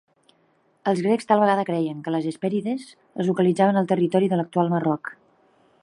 Els grecs tal vegada creien que les Hespèrides es localitzaven al territori de l'actual Marroc.